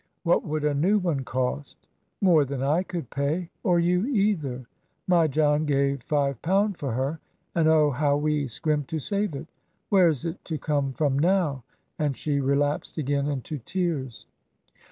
"What would a new one cost?" "More than I could pay, or you either. My John gave five pound for her and oh, how we scrimped to save it! Where's it to come from now!" and she relapsed again into tears.